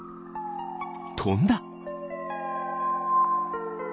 とんだ！